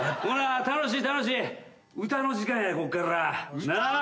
楽しい楽しい唄の時間やこっから。